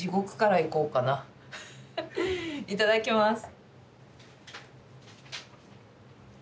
いただきます。